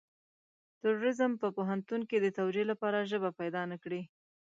تروريزم په پوهنتون کې د توجيه لپاره ژبه پيدا نه کړي.